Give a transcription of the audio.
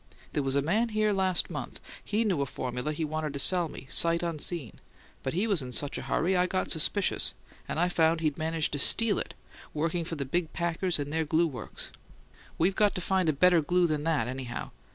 There was a man here last month; he knew a formula he wanted to sell me, 'sight unseen'; but he was in such a hurry I got suspicious, and I found he'd managed to steal it, working for the big packers in their glue works. We've got to find a better glue than that, anyhow.